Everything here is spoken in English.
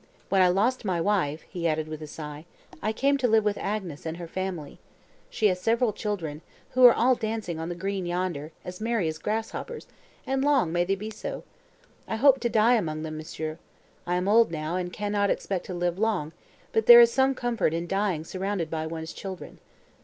When I lost my wife," he added with a sigh, "I came to live with Agnes, and her family; she has several children, who are all dancing on the green yonder, as merry as grasshoppers—and long may they be so! I hope to die among them, monsieur. I am old now, and cannot expect to live long, but there is some comfort in dying surrounded by one's children."